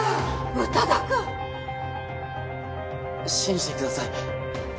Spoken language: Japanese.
宇多田くん！信じてください。